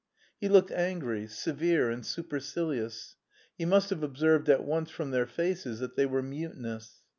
He looked angry, severe, and supercilious. He must have observed at once from their faces that they were "mutinous."